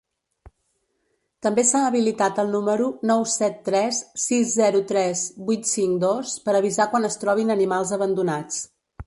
També s’ha habilitat el número nou set tres sis zero tres vuit cinc dos per avisar quan es trobin animals abandonats.